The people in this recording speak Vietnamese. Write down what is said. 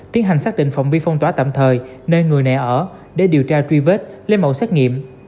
tiến hành xác định phòng vi phong tỏa tạm thời nơi người này ở để điều tra truy vết lấy mẫu xét nghiệm